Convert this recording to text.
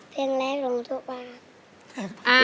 เพลงแรกร้องถูกหวาน